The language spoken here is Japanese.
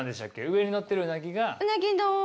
上にのってるうなぎが。